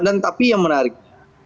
dan tapi yang menariknya